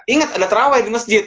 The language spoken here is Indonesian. ingat ada terawih di masjid